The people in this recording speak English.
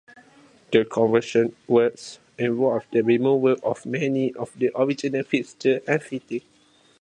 The conversion works involved the removal of many of the original fixtures and fittings.